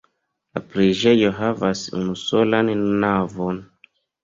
La preĝejo havas unusolan navon.